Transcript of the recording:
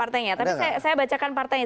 tapi saya bacakan partainya